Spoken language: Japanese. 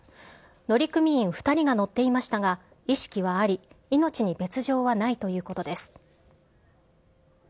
乗組員２人が乗っていましたが、意識はあり、命に別状はないということです。